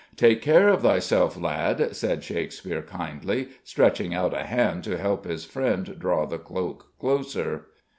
"Take care of thyself, lad," said Shakespeare kindly, stretching out a hand to help his friend draw the cloak closer.